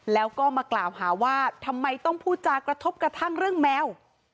แล้วก็มากล่าวหาว่าทำไมต้องพูดจากกระทบกระทั่งเรื่องแมว